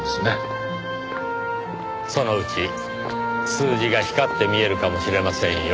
そのうち数字が光って見えるかもしれませんよ。